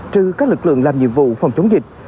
trừ các lực lượng làm nhiệm vụ phòng chống dịch